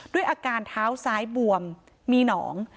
ด้วยอาการเท้าซ้ายบวมมีหนอง